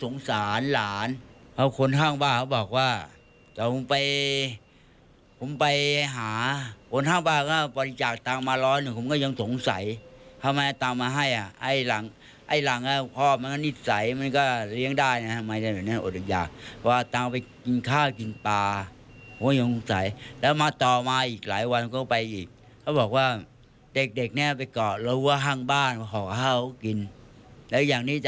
นานาจะไปหาที่ผมดูเห็นแล้วสงสารหลาน